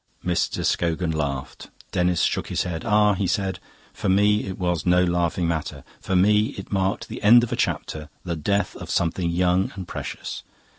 Mr. Scogan laughed. Denis shook his head. "Ah," he said, "for me it was no laughing matter. For me it marked the end of a chapter, the death of something young and precious.